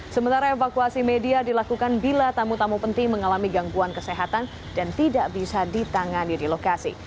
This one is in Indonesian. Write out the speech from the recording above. sementara evakuasi media dilakukan bila tamu tamu penting mengalami gangguan kesehatan dan tidak bisa ditangani di lokasi